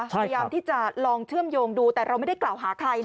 พยายามที่จะลองเชื่อมโยงดูแต่เราไม่ได้กล่าวหาใคร